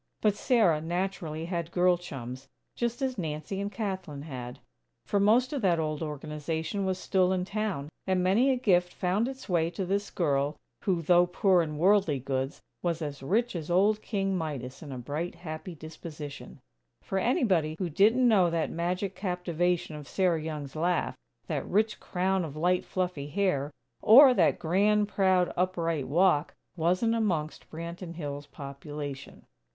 But Sarah naturally had girl chums, just as Nancy and Kathlyn had; for most of that old Organization was still in town; and many a gift found its way to this girl who, though poor in worldly goods, was as rich as old King Midas in a bright, happy disposition; for anybody who didn't know that magic captivation of Sarah Young's laugh, that rich crown of light, fluffy hair, or that grand, proud, upright walk, wasn't amongst Branton Hills' population.